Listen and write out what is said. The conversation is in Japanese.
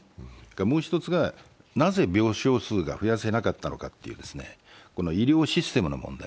もう１つが、なぜ病床数が増やせなかったのかという医療システムの問題。